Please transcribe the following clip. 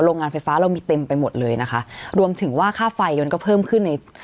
โรงงานไฟฟ้าเรามีเต็มไปหมดเลยนะคะรวมถึงว่าค่าไฟยนต์ก็เพิ่มขึ้นใน